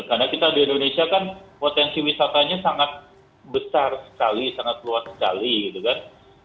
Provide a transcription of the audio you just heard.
karena kita di indonesia kan potensi wisatanya sangat besar sekali sangat luas sekali gitu kan